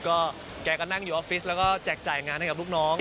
ก็แกก็นั่งอยู่ออฟฟิศแล้วก็แจกจ่ายงานให้กับลูกน้อง